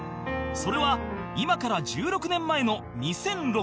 それは今から１６年前の２００６年